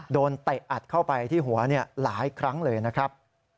เตะอัดเข้าไปที่หัวหลายครั้งเลยนะครับ